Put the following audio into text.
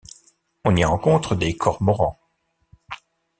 On y rencontre des cormorans.